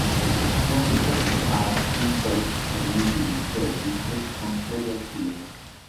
Kromtech ha assunto ex dipendenti di Zeobit con sede a Kyiv.